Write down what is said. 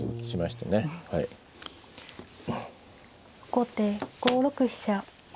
後手５六飛車。